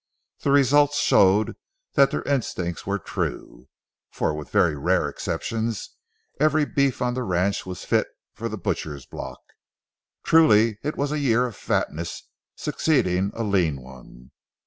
The results showed that their instinct was true; for with very rare exceptions every beef on the ranch was fit for the butcher's block. Truly it was a year of fatness succeeding a lean one.